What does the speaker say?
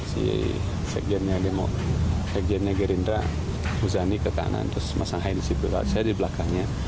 si sekjennya gerindra uzzani ke kanan terus masa haye di belakangnya